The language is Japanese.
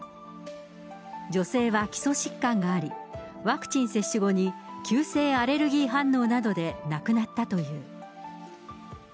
女性は基礎疾患があり、ワクチン接種後に、急性アレルギー反応などで亡くなったという。